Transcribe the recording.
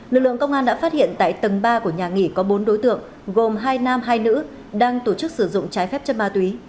lực lượng công an đã phát hiện tại tầng ba của nhà nghỉ có bốn đối tượng gồm hai nam hai nữ đang tổ chức sử dụng trái phép chất ma túy